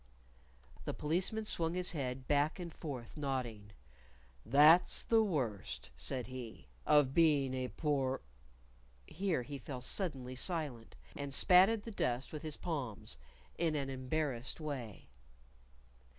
The Policeman swung his head back and forth, nodding. "That's the worst," said he, "of being a Poor " Here he fell suddenly silent, and spatted the dust with his palms in an embarrassed way.